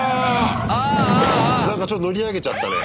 なんかちょっと乗り上げちゃったね。